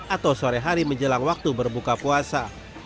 atau sore hari menjelang waktu berbuka puasa